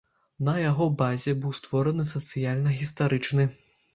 На яго базе быў створаны сацыяльна-гістарычны.